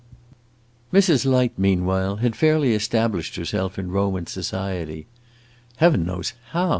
Mrs. Light, meanwhile, had fairly established herself in Roman society. "Heaven knows how!"